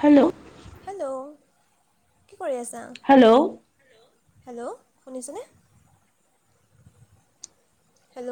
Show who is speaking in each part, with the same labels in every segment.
Speaker 1: Hello
Speaker 2: hello কি কৰি আছা?
Speaker 1: হেল্ল।
Speaker 2: হেল্ল শুনিছানে?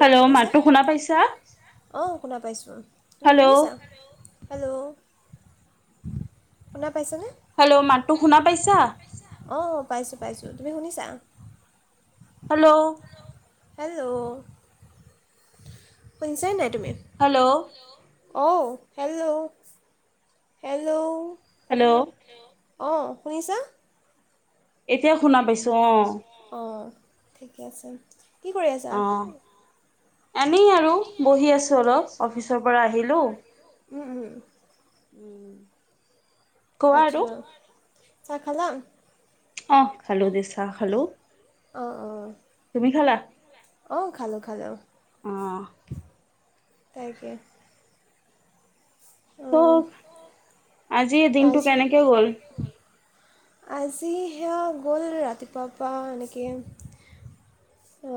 Speaker 1: হেল্ল মাতো শুনা পাইছা?
Speaker 2: অঁ শুনা পাইছোঁ তুমি শুনিছা হেল্ল? হেল্ল।
Speaker 1: [unintelligible]
Speaker 2: শুনা পাইছনে? হেল্ল মাতো শুনা পাইছা? অ পাইছোঁ পাইছোঁ, তুমি শুনিছা?
Speaker 1: হেল্ল।
Speaker 2: হেল্ল শুনিছা নাই তুমি?
Speaker 1: হেল্লৌ'
Speaker 2: অঁ' হেল্লৌ' হেল্লৌ'
Speaker 1: হেল্লৌ'
Speaker 2: অঁ' শুনিছা?
Speaker 1: এতিয়া শুনা পাইছোঁ, অঁ।
Speaker 2: অঁ' ঠিকে আছে, কি কৰি আছা?
Speaker 1: এনেই আৰু বহি আছো অলপ, অফিচৰ পৰা আহিলো।
Speaker 2: উম' উম' উম'
Speaker 1: উম'
Speaker 2: আৎচ্ছা, চাহ খালা?
Speaker 1: অঁহ খালো দেই চাহ খালো।
Speaker 2: অঁ অঁ।
Speaker 1: তুমি খালা?
Speaker 2: অঁ' খালো খালো।
Speaker 1: অঁ'
Speaker 2: তাকে। [inaudible]
Speaker 1: অ' আজি দিনটো কেনেকে গ'ল?
Speaker 2: আজি সেয়া গ'ল ৰাতিপুৱা পা এনেকেই। অঁ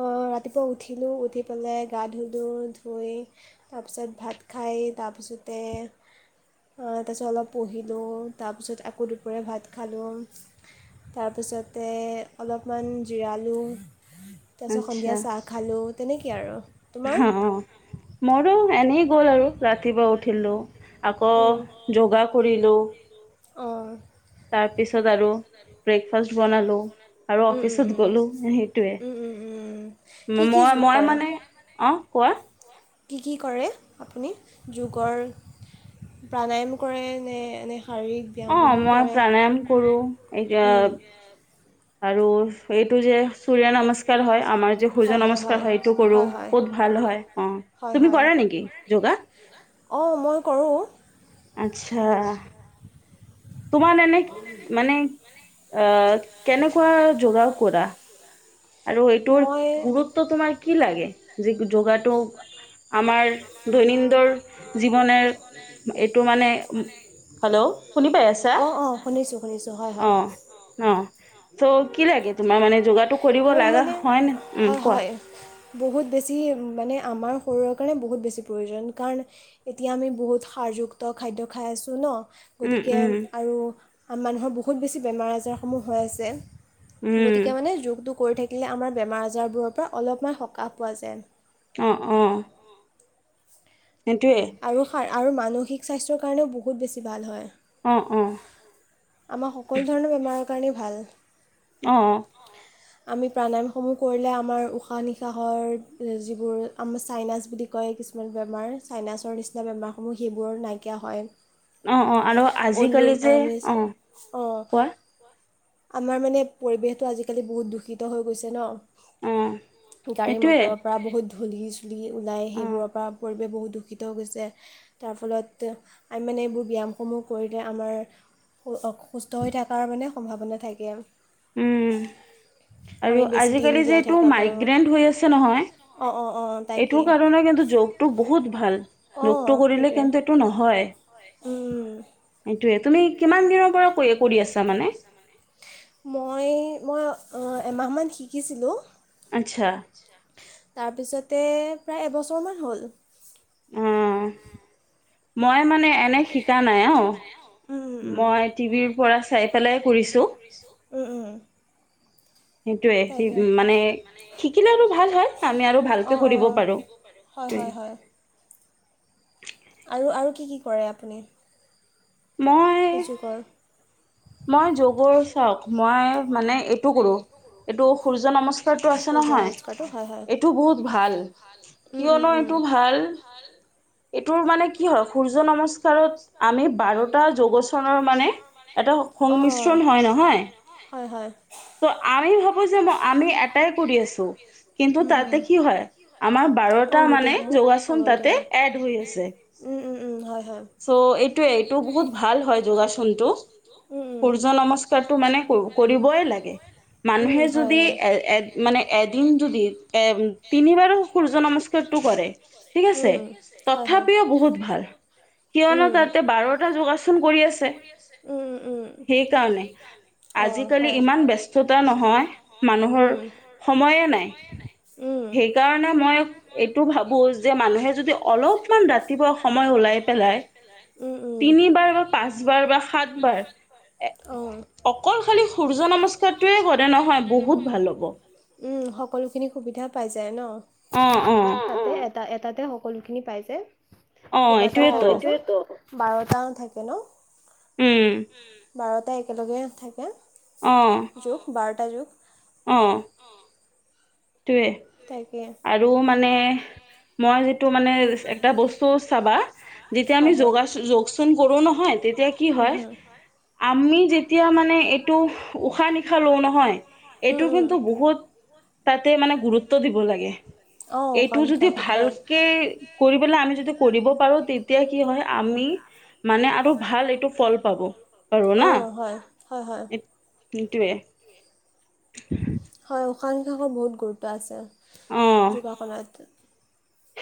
Speaker 2: অঁ ৰাতিপুৱা উঠিলোঁ উঠি পেলাই গা ধুলোঁ ধুই- তাপিছত ভাত খাই তাপিছতে- অঁ তাপিছত অলপ পঢ়িলোঁ, তাৰ পিছত আকৌ দুপৰীয়া ভাত খালোঁ। তাৰ পিছতে অলপ মান জিৰালো। তাপিছত সন্ধিয়া চাহ খালোঁ, তেনেকেই আৰু।
Speaker 1: অঁ মোৰো এনেই গ'ল আৰু ৰাতিপুৱা উঠিলো। আকৌ যোগা কৰিলো।
Speaker 2: অঁ'
Speaker 1: তাৰ পিছত আৰু ব্ৰেকফাষ্ট বনালো। আৰু অফিচত গ'লো সেইটোৱে, মই মই মানে- অঁ কোৱা।
Speaker 2: কি কি কৰে, আপুনি যোগৰ- প্ৰাণায়ন কৰে নে এনে শাৰীৰিক?
Speaker 1: অঁ মই প্ৰাণায়ম কৰো, এতিয়া আৰুচ- এইটো যে, সূৰ্য নমস্কাৰ হয় আমাৰ যে সূৰ্য নমস্কাৰ হয় এইটো কৰোঁ বহুত ভাল হয় অঁ। তুমি কৰা নেকি যোগা?
Speaker 2: অঁ মই কৰোঁ।
Speaker 1: আৎচ্ছা। তোমাৰ এনেই মানে আহ' কেনেকুৱা যোগাও কৰা? আৰু এইটোৰ গুৰুত্ব তোমাৰ কি লাগে? যে যোগাটো-
Speaker 2: আমাৰ দৈনিন্দৰ জীৱনেৰ এইটো মানে- হেল্লৌ' অঁ অঁ শুনিছোঁ শুনিছোঁ, হয় হয়।
Speaker 1: চ' কি লাগে তোমাৰ মানে যোগাটো কৰিব লগা হয় নে উম' কোৱা।
Speaker 2: বহুত বেছি মানে আমাৰ শৰীৰৰ কাৰণে বহুত বেছি প্ৰয়োজন, কাৰণ- এতিয়া আমি বহুত সাৰযুক্ত খাদ্য খাই আছোঁ ন, - গতিকে আৰু মানুহৰ বহুত বেছি বেমাৰ আজাৰ সমূহ হৈ আছে। গতিকে মানে যোগটো কৰি থাকিলে আমাৰ বেমাৰ আজাৰবোৰৰ পৰা অলপমান সকাহ পোৱা যায়।
Speaker 1: অ অ। সেইটোৱে।
Speaker 2: আৰু সাৰ আৰু মানসিক স্বাস্থ্যৰ কাৰণেও বহুত বেছি ভাল হয়।
Speaker 1: অ অ।
Speaker 2: আমাৰ সকলো ধৰণৰ বেমাৰৰ কাৰণেই ভাল।
Speaker 1: অঁ অঁ।
Speaker 2: অ। আমি প্ৰাণায়ামসমূহ কৰিলে আমাৰ উশাহ নিশাহৰ যিবোৰ আমাৰ চাইনাছ বুলি। কয় কিছুমান বেমাৰ চাইনাছৰ নিচিনা বেমাৰসমূহ সেইবোৰৰ নাইকিয়া হয়। উলু আমিছে অঁ। আমাৰ মানে পৰিৱেশটো আজিকালি বহুত দূষিত হৈ গৈছে ন। গাড়ী মটৰৰ পৰা বহুত ধূলি চুলি ওলাই সেইবোৰৰ পৰা পৰিৱেশ বহুত দুখ। দূষিত হৈ গৈছে তাৰ ফলত আমি মানে এইবোৰ ব্যায়ামসমূহ কৰিলে আমাৰ। অঁ সুস্থ হৈ থকাৰ মানে সম্ভাৱনা থাকে আ আমি বেছিদিন জীয়াই থকা পাৰোঁ। অঁ অঁ অঁ
Speaker 1: এইটো কাৰণে কিন্তু যৌগটো বহুত। ভাল লুকটো কৰিলে কিন্তু এইটো নহয়। সেইটোয়ে, তুমি কিমান দিনৰ পৰা কৰি কৰি আছা মানে?
Speaker 2: মই, মই অ' এমাহমান শিকিছিলোঁ।
Speaker 1: আতচা।
Speaker 2: তাৰপিছতে প্ৰায় এবছৰমান হ'ল।
Speaker 1: অঁ মই মানে এনে শিকা নাই অ' মই টিভিৰ পৰা চাই পেলাই কৰিছোঁ।
Speaker 2: উম' উম তাইকে অ অ হয়, হয়, হয়। আৰু আৰু কি কি কৰে আপুনি? খুজকৰ।
Speaker 1: মই যোগৰ চাওঁক, মই মানে এইটো কৰোঁ এইটো সূৰ্য নমস্ক। সেইটো আছে নহয়, এইটো বহুত ভাল, কিয়নো এইটো ভাল। এইটোৰ মানে কি হয়, সূৰ্য নমস্কাৰত আমি বাৰটা যৌগচনৰ মানে। এটা সংমিশ্ৰণ হয় নহয়। তৌ আমি ভাবো যে আমি এটাই কৰি আছোঁ, কিন্তু তাতে কি হয়? আমাৰ বাৰটা মানে যৌগাচন তাতে এড হৈ আছে। চৌ এইটোৱে, এইটো বহুত ভাল হয় যৌগাচনটো। সূৰ্য নমস্কাৰটো মানে কৰি কৰিবই লাগে। মানুহে যদি এ এন এ মানে এদিন যদি এ তিনিবাৰো সূৰ্য নমস্কাৰ। টোত টো কৰে।
Speaker 2: উম' হয়।
Speaker 1: তথাপিও বহুত ভাল, কিয়নো তাতে বাৰটা যৌগাচন কৰি আছে।
Speaker 2: উম' উম'।
Speaker 1: সেইকাৰণে, আজিকালি ইমান ব্যস্ততা নহয় মানুহৰ। সময়ে নাই, সেইকাৰণে মই এইটো ভাবো যে মানুহে যদি অলপ। অলপমান ৰাতিপুৱা সময় ওলাই পেলাই তিনিবাৰ বা পাঁচবাৰ বা সাতবাৰ অকল খালি সূৰ্য নমস্কাৰটোয়ে সদায় নহয়, বহুত ভাল হ'ব।
Speaker 2: উম' সকলোখিনি সুবিধা পাই যায় ন অ অ তাতে এটা এটাতে সকলোখিনি খিনি পায় যে কেইবাটাও থাকে অ সেইটোৱেতো যে বাৰটা মান থাকে ন
Speaker 1: উম'
Speaker 2: উম বাৰটা একেলগে থাকে।
Speaker 1: অ
Speaker 2: যোগ বাৰটা যোগ হয় অ
Speaker 1: সেইটোৱে আৰু মানে মই যিটো মানে এটা বস্তু চাবা যেতিয়া আমি যৌগাচন যৌগচন কৰোঁ নহয় তেতিয়া কি হয় আমি যেতিয়া মানে এইটো উশাহ নিশাহ লওঁ নহয়, এইটো কিন্তু বহুত
Speaker 2: [unintelligible]
Speaker 1: তাতে মানে গুৰুত্ব দিব লাগে এইটো যদি ভালকে কৰি পেলাই আমি যদি কৰিব পাৰো তেতিয়া কি হয় আমি মানে আৰু ভাল এইটো ফল পাব পাৰো না সেইটোৱেই [inaudible]
Speaker 2: হয় উশাহ নিশাহৰ বহুত গুৰুত্ব আছে যোগাসনাত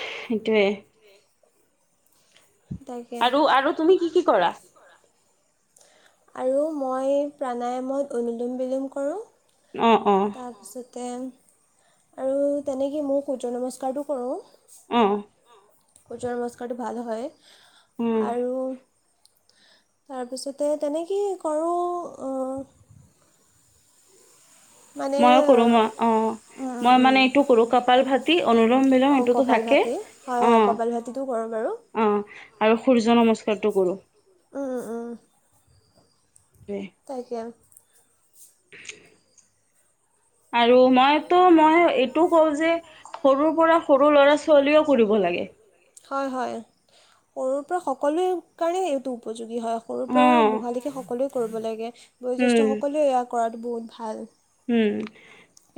Speaker 1: সেইটোৱে আৰু আৰু তুমি কি কি কৰা
Speaker 2: আৰু মই প্ৰাণায়ামত অনুলোম বিলোম কৰো
Speaker 1: অ অ
Speaker 2: তাৰপিছতে আৰু তেনেকে মই সূৰ্য্য নমস্কাৰটো কৰোঁ
Speaker 1: অ
Speaker 2: সূৰ্যৰ নমস্কাৰটো ভাল হয় আৰু তাৰপিছতে তেনেকেই কৰো অ
Speaker 1: ময়ো কৰো মই অ মই মানে এইটো কৰো কপাল ভাটি অনুৰোম বিলোম এইটোতো থাকে অহ অ আৰু সূৰ্য নমস্কাৰটো কৰোঁ
Speaker 2: উম উম
Speaker 1: সেইটোৱে
Speaker 2: তাকে অ
Speaker 1: [unintelligible] আৰু মইতো মই এইটো কওঁ যে সৰু পৰা সৰু ল'ৰা ছো ছোৱালীও কৰিব লাগে
Speaker 2: হয় হয় সৰুৰ পৰা সকলোয়ে কাৰণে এইটো উপযোগী হয় সৰুৰ পৰা মহালেখি সকলোৱে কৰিব লাগে বয়োজ্যেষ্ঠ সকলোৱে ইয়াক কৰাটো বহুত ভাল
Speaker 1: উম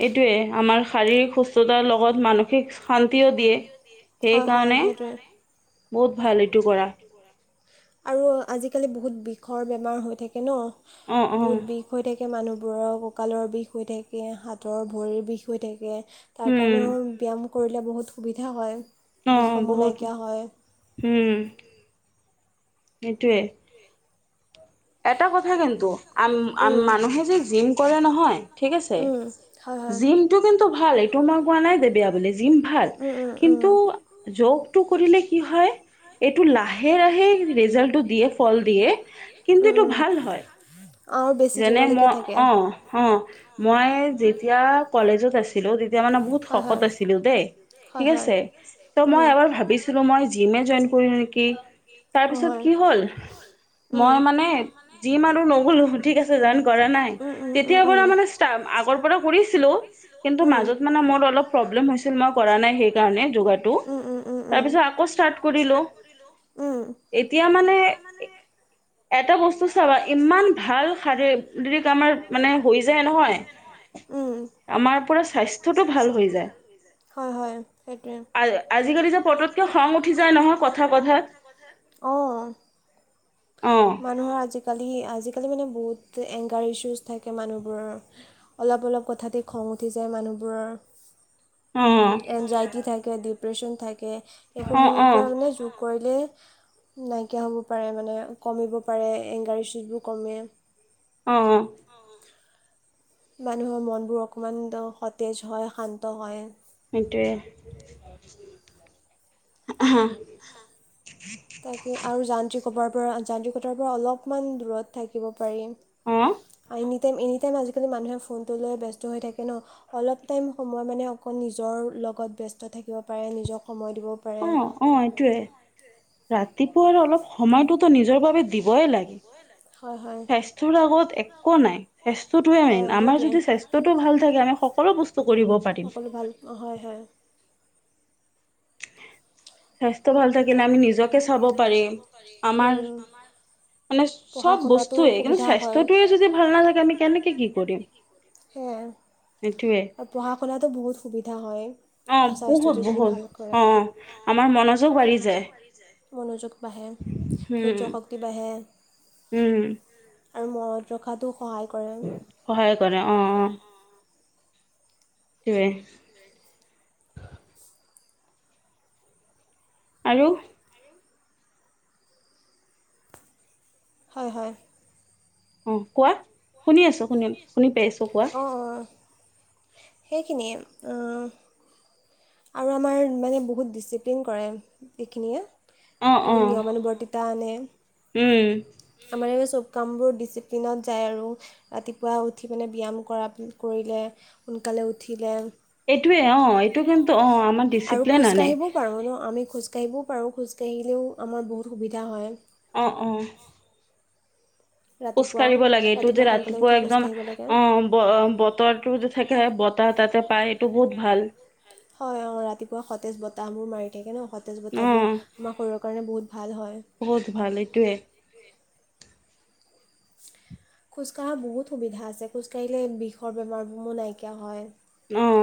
Speaker 1: এইটোৱে আমাৰ শাৰীৰিক সুস্থতাৰ লগত মানসিক শান্তিও দিয়ে
Speaker 2: হয় হয় সেইটোৱে
Speaker 1: বহুত ভাল এইটো কৰা
Speaker 2: আৰু আজিকালি বহুত বিষৰ বেমাৰ হৈ থাকে ন বহুত বিষ হৈ থাকে মানুহবোৰৰ কঁকালৰ বিষ হৈ থাকে হাতৰ ভৰিৰ বিষ হৈ থাকে তাৰ কাৰণেও ব্যায়াম কৰিলে বহুত সুবিধা হয়, বিষসমূহ নাইকিয়া হয়।
Speaker 1: উম। সেইটোৱে।
Speaker 2: [unintelligible]
Speaker 1: এটা কথা কিন্তু। আম আম মানুহে যে জিম কৰে নহয় ঠিক আছে জিম এইটো কিন্তু ভাল এইটো মই কোৱা নাই যে বেয়া বুলি জিম ভাল, কিন্তু য যোগ টো কৰিলে কি হয় এইটো লাহে লাহে ৰিজালটো দিয়ে ফল দিয়ে, কিন্তু
Speaker 2: উম, উম।
Speaker 1: যেনে মই অ', অ', মই যেতিয়া কলেজত আছি ছিলো তেতিয়া মানে বহুত শকত আছিলো দেই। ঠিক আছে মইএবাৰ ভাবিছিলো মই জিমে জইন কৰি দিও নেকি। তাৰপিছত কি হ'ল মই মানে জিম আৰু নগ'লো। ঠিক আছে জইন কৰা নাই তেতিয়া পৰা মানে ইষ্টা আগৰ পৰা কৰিছিলোঁ কিন্তু মাজত মা মোৰ অলপ হৈছিল মই কৰা নাই সেইকাৰনে যোগাটো তাৰপিছত আকৌ ষ্টাৰ্টত কৰিলোঁ।
Speaker 2: উম।
Speaker 1: এতিয়া মানে এটা বস্তু চাবা ইমান ভাল শাৰী ৰিক আমাৰ মানে হৈ যায় নহয়। আমাৰ পুৰা স্বাস্থ্যটো ভাল হৈ যায়। আজিকালি যে পটতকে খং উঠি যায় নহয় কথা কথাত। অ'।
Speaker 2: মানুহৰ আজিকালি, আজিকালি মানে বহুত এংগাৰ ইছুজ থাকে মানুহবোৰৰ। অলপ, অলপ কথাতে খং উঠি যায় মানুহবোৰৰ। এনজাইটি থাকে, ডিপ্ৰেছন থাকে। এইসমূহৰ পৰা মানে, যোগ কৰিলে নাইকিয়া হ'ব পাৰে মানে। কমিব পাৰে। এংগাৰ ইছুচবোৰ কমে।
Speaker 1: অ'।
Speaker 2: অ'। মানুহৰ মনবোৰ অকণমান দ সতেজ হয়। শান্ত হয়।
Speaker 1: সেটোৱে।
Speaker 2: [inaudible] তাকে আৰু যান্ত্ৰিকপৰ পৰা যান্ত্ৰিকতাৰ পৰা অলপমান দূৰত থাকিব পাৰিম।
Speaker 1: অ'।
Speaker 2: এনি টাইম, এনি টাইম আজিকালি মানুহে ফোনটো লৈ ব্যস্ত হৈ থাকে ন'! অলপ টাইম সময় মানে, অকল নিজৰ লগত ব্যস্ত থাকিব পাৰে। নিজক সময় দিব পাৰে।
Speaker 1: অ', এইটোৱে। ৰাতিপুৱা আৰু অলপ সময়টোতো নিজৰ বাবে দিবয়েই লাগে। স্বাস্থ্যৰ আগত একো নাই। স্বাস্থ্যটোৱে মেইন। আমাৰ যদি স্বাস্থ্যটো ভাল থাকে, আমি সকলো বস্তু কৰিব পাৰিম।
Speaker 2: অ', হয়, হয়।
Speaker 1: স্বাস্থ্য ভাল থাকিলে আমি নিজকে চাব পাৰিম। আমাৰ মানে চব বস্তুৱে। [unintelligible] স্বাস্থ্যটোৱে যদি ভাল নাথাকে আমি কেনেকে কি কৰিম?
Speaker 2: হেয়া।
Speaker 1: এটোৱে।
Speaker 2: পঢ়া-শুনাতো বহুত সুবিধা হয়।
Speaker 1: অ', বহুত বহুত অ', আমাৰ মনোযোগ বাঢ়ি যায়।
Speaker 2: মনোযোগ বাঢ়ে, ধৈৰ্য্য শক্তি বাঢ়ে।
Speaker 1: উম।
Speaker 2: আৰু মনত ৰখাতো সহায় কৰে।
Speaker 1: সহায় কৰে, অঁ। টোৱে। আৰু
Speaker 2: হয় হয়।
Speaker 1: অঁ কোৱা, শুনি আছোঁ। শুনি শুনি পাই আছোঁ কোৱা।
Speaker 2: সেইখিনিয়ে অঁ। আৰু আমাৰ মানে বহুত ডিচিপ্লিন কৰে। এইখিনিয়ে বহুত নিয়মানমানুৱৰ্তী টানে।
Speaker 1: উম।
Speaker 2: আমাৰ এই চব কামবোৰ ডিচিপ্লিনত যায় আৰু। ৰাতিপুৱা উঠি মানে ব্যায়াম কৰা, কৰিলে, সোনকালে উঠিলে
Speaker 1: এইটোৱে অঁ, এইটো কিন্তু অঁ, আমাৰ ডিচিপ্লিন আনে।
Speaker 2: কাৰণেও আমি খোজ কাঢ়িব পাৰোঁ। খোজকাঢ়িলেও আমাৰ বহুত সুবিধা হয়।
Speaker 1: অঁ অঁ। খোজকাঢ়িব লাগে, এটো যে ৰাতিপুৱা একদম অঁ, ব বতৰটো যে থাকে, বতাহ তাতে পাই। এইটো বহুত ভাল।
Speaker 2: হয় অঁ, ৰাতিপুৱা সতেজ বতাহাবোৰ মাৰি থাকে ন, সতেজ বতাহাবোৰ আমাৰ শৰীৰৰ কাৰণে বহুত ভাল হয়।
Speaker 1: বহুত ভাল, এইটোৱে।
Speaker 2: খোজকাঢ়া বহুত সুবিধা আছে, খোজকাঢ়িলে বিষৰ বেমাৰসমূহ নাইকিয়া হয়।
Speaker 1: অঁ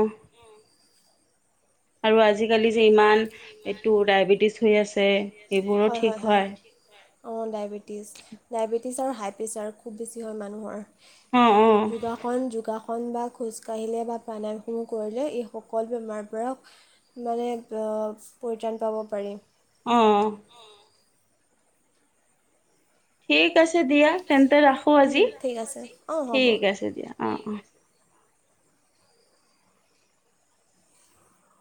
Speaker 1: আৰু আজিকালি যে ইমান এইটো ডায়বেটিছ হৈ আছে এইবোৰো ঠিক হয়।
Speaker 2: অ ডায়েবেটিছ, ডায়বেটিছ আৰু হাই প্ৰেছাৰ খুব বেছি হয় মানুহৰ। যোগাসন যোগাসন কনমান খোজকাঢ়িলে বা প্ৰাণায়াম সমূহ কৰিলে এই সকলো বেমাৰৰ পৰা মানে অ পৰিত্ৰাণ পাব পাৰি।
Speaker 1: উম। ঠিক আছে দিয়া তেন্তে ৰাখো আজি, ঠিক আছে দিয়া অঁ অঁ।